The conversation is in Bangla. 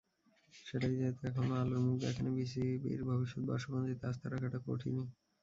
সেটাই যেহেতু এখনো আলোর মুখ দেখেনি, বিসিবির ভবিষ্যৎ বর্ষপঞ্জিতে আস্থা রাখাটা কঠিনই।